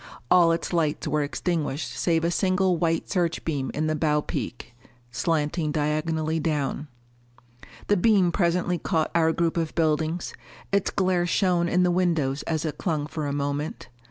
All its lights were extinguished save a single white search beam in the bow peak, slanting diagonally down. The beam presently caught our group of buildings; its glare shone in the windows as it clung for a moment.